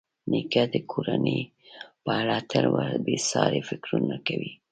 نیکه د کورنۍ په اړه تل بېساري فکرونه کوي.